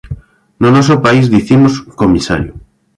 No noso país dicimos «comisario».